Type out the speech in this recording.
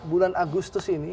bulan agustus ini